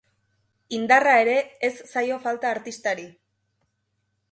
Indarra ere ez zaio falta artistari.